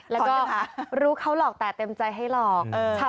แล้วก็รู้เขาหลอกแต่เต็มใจให้หลอก